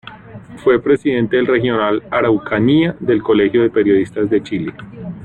Fue presidente del Regional Araucanía del Colegio de Periodistas de Chile.